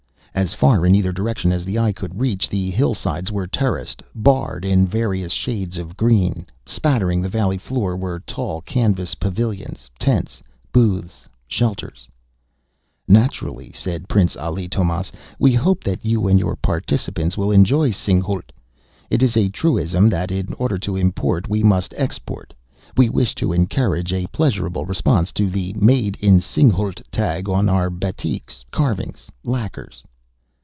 As far in either direction as the eye could reach, the hillsides were terraced, barred in various shades of green. Spattering the valley floor were tall canvas pavilions, tents, booths, shelters. "Naturally," said Prince Ali Tomás, "we hope that you and your participants will enjoy Singhalût. It is a truism that, in order to import, we must export; we wish to encourage a pleasurable response to the 'Made in Singhalût' tag on our batiks, carvings, lacquers."